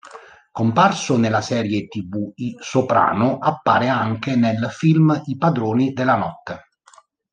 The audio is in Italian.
Comparso nella serie tv "I Soprano", appare anche nel film I padroni della notte.